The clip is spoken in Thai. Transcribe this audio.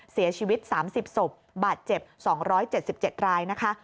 เสียชีวิต๓๐ศพบาดเจ็บ๒๗๗รายนะคะ